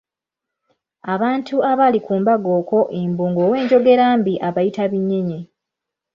Abantu abaali ku mbaga okwo mbu ng'owenjogera mbi abayita binyinyi.